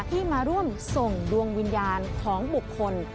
ที่มาร่วมส่งดวงวิญญาณของบุคคล